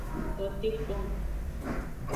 Tote kpong.